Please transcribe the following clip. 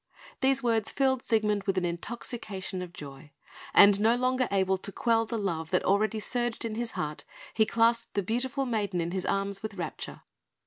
These words filled Siegmund with an intoxication of joy; and no longer able to quell the love that already surged in his heart, he clasped the beautiful maiden in his arms with rapture.